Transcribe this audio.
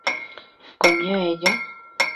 ¿comía ella?